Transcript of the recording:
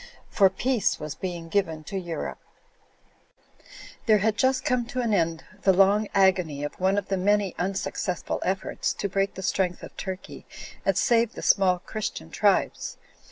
For peace was being given to Europe. 21 Digitized by Google 22 THE FLYING INN There had just come to an end the long agony of one of the many misuccessful efforts to break the strength of Turkey and save the small Christian tribes.